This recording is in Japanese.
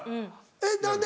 えっ何で？